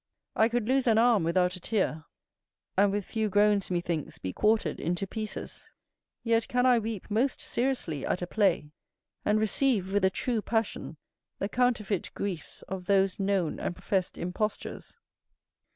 I could lose an arm without a tear, and with few groans, methinks, be quartered into pieces; yet can I weep most seriously at a play, and receive with a true passion the counterfeit griefs of those known and professed impostures.